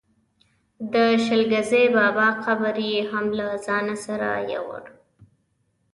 د شل ګزي بابا قبر یې هم له ځانه سره یووړ.